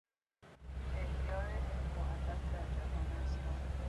احیای علم و ادب در جهان اسلام